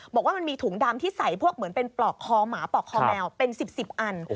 บอกว่ามันมีถุงดำที่ใส่พวกเหมือนเป็นปลอกคอหมาปลอกคอแมวเป็น๑๐อัน